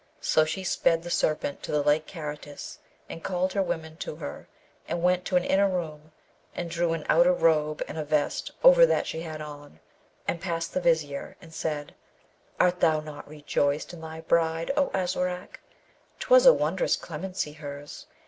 So she sped the serpent to the Lake Karatis, and called her women to her, and went to an inner room, and drew an outer robe and a vest over that she had on, and passed the Vizier, and said, 'Art thou not rejoiced in thy bride, O Aswarak? 'Twas a wondrous clemency, hers!